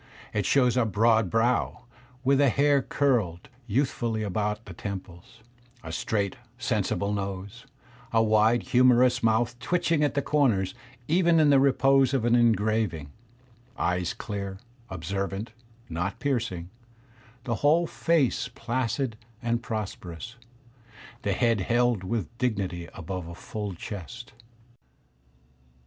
It shows a broad brow with the hair curled youthfully about the temples; a straight, sensible nose; a wide, humorous mouth twitching at the comers even in the repose of an engraving; eyes dear, observant, not piercing; the whole face placid and prosperous; the head held with dignity above a full chest.